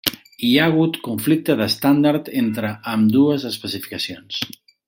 Hi ha hagut conflicte d'estàndard entre ambdues especificacions.